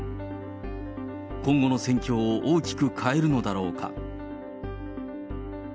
今後の戦況を大きく変えるのだろうか。